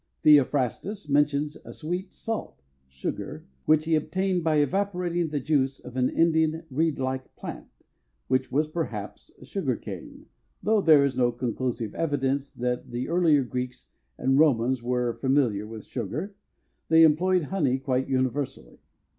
Theophrastus mentions a "sweet salt" (sugar) which he obtained by evaporating the juice of an Indian reedlike plant, which was perhaps sugar cane, though there is no conclusive evidence that the earlier Greeks and Romans were familiar with sugar; they employed honey quite universally.